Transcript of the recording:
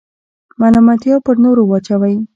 ملامتیا پر نورو وراچوئ.